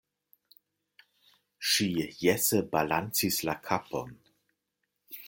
Ŝi jese balancis la kapon.